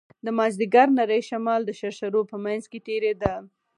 د مازديګر نرى شمال د شرشرو په منځ کښې تېرېده.